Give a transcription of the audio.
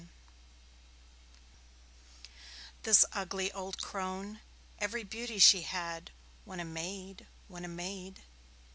AGE This ugly old crone Every beauty she had When a maid, when a maid.